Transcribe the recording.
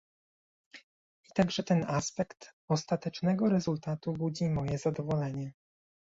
I także ten aspekt ostatecznego rezultatu budzi moje zadowolenie